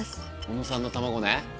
小野さんの卵ね。